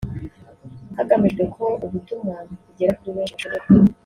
hagamijwe ko ubutumwa bugera kuri benshi bashoboka